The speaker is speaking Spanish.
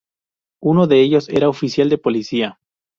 Uno de ellos era oficial de policía.